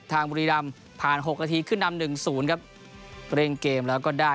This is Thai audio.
บุรีรำผ่านหกนาทีขึ้นนำหนึ่งศูนย์ครับเร่งเกมแล้วก็ได้